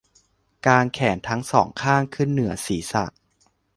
กางแขนทั้ง สอง ข้างขึ้นเหนือศีรษะ